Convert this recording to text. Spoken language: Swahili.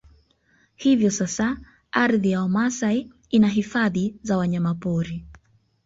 Hivyo sasa ardhi ya Wamasai ina hifadhi za wanyama pori